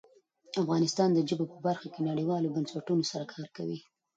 افغانستان د ژبو په برخه کې نړیوالو بنسټونو سره کار کوي.